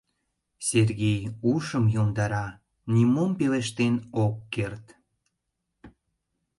Сергей ушым йомдара, нимом пелештен ок керт.